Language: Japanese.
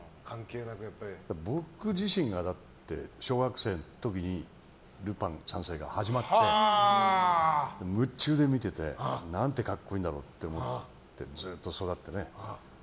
僕自身が小学生の時に「ルパン三世」が始まって夢中で見ててなんて格好いいんだろうって思ってずっと育って。